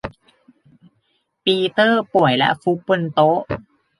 ปีเตอร์ป่วยและฟุบบนโต๊ะ